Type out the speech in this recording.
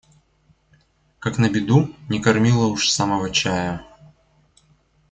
Как на беду, не кормила уж с самого чая.